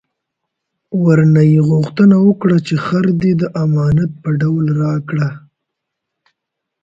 ورنه یې غوښتنه وکړه چې خر دې د امانت په ډول راکړه.